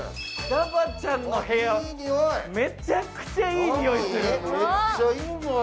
ダバちゃんの部屋、めちゃくちゃいいにおいする。